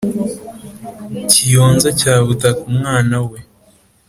kiyonza cya butaka umwana we